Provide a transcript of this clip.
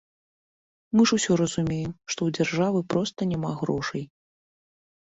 Мы ж усе разумеем, што ў дзяржавы проста няма грошай.